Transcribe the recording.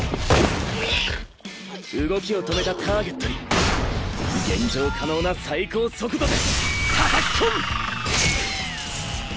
動きを止めたターゲットに現状可能な最高速度でメェー！